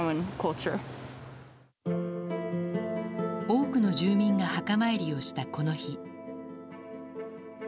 多くの住民が墓参りをした、この日。